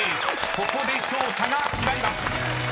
ここで勝者が決まります］